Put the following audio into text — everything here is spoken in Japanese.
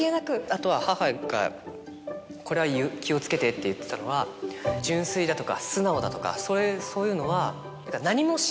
あとは母が「これは気を付けて」って言ってたのは純粋だとか素直だとかそういうのは。